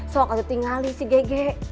sok tinggalin si gege